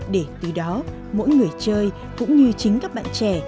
để từ đó mỗi người chơi cũng như chính các bạn trẻ